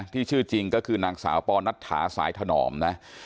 ชื่อจริงก็คือนางสาวปอนัทถาสายถนอมนะ